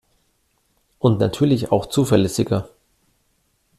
Und natürlich auch zuverlässiger.